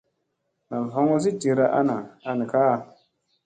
Nam hoŋozi dira ana an kaʼa.